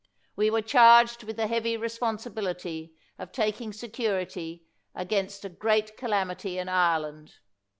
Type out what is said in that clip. We were charged with the heavy respon sibility of taking security against a great calam ity in Ireland.